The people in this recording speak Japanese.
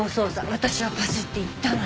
私はパスって言ったのに。